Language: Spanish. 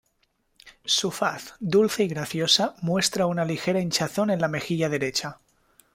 Su faz, dulce y graciosa, muestra una ligera hinchazón en la mejilla derecha.